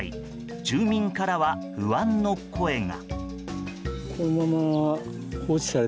住民からは不安の声が。